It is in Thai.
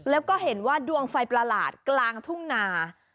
แล้วก็เห็นว่าดวงไฟประหลาดกลางทุ่งนา